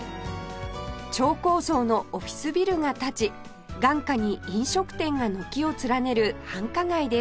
超高層のオフィスビルが立ち眼下に飲食店が軒を連ねる繁華街です